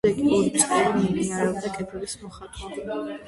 შემდეგი ორი წელი მიმდინარეობდა კედლების მოხატვა.